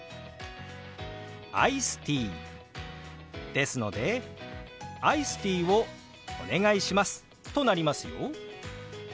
「アイスティー」ですので「アイスティーをお願いします」となりますよ。